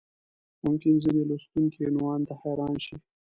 ممکن ځینې لوستونکي عنوان ته حیران شي.